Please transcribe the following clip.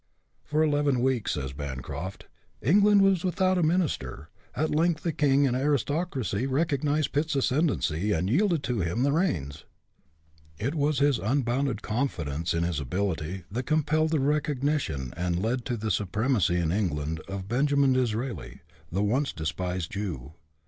" For eleven weeks," says Bancroft, " England was without a minister. At length the king and aristocracy recognized Pitt's ascendency, and yielded to him the reins." It was his unbounded confidence in his ability that compelled the recognition and led to the supremacy in England of Benjamin Disraeli, the once despised Jew.